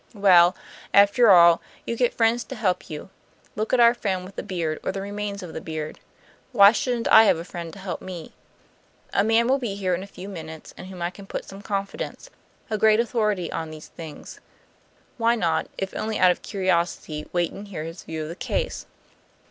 Well, after all, you get friends to help you; look at our friend with the beard, or the remains of the beard. Why shouldn't I have a friend to help me? A man will be here in a few minutes in whom I put some confidence; a great authority on these things. Why not, if only out of curiosity, wait and hear his view of the case?"